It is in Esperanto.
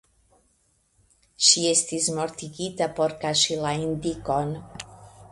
Ŝi estis mortigita por kaŝi la indikon.